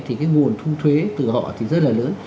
thì cái nguồn thu thuế từ họ thì rất là lớn